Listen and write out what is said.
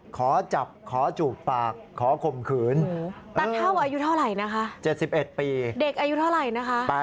๗๑ปีเด็กอายุเท่าไหร่นะคะ